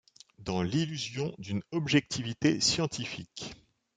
Dans l'illusion d'une objectivité scientifique.